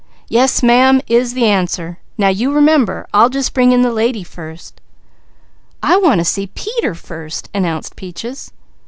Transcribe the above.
'Yes ma'am,' is the answer. Now you remember! I'll just bring in the lady first." "I want to see Peter first!" announced Peaches.